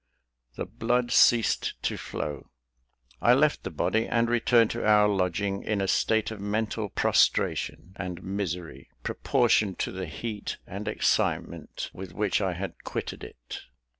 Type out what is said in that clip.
The blood ceased to flow. I left the body, and returned to our lodging, in a state of mental prostration and misery, proportioned to the heat and excitement with which I had quitted it.